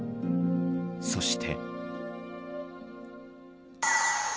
そして。